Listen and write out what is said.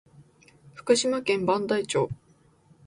福島県磐梯町